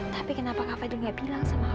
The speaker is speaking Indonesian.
tapi kenapa kak fadil nggak bilang sama aku